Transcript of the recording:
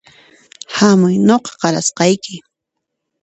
Hamuy nuqa qarasqayki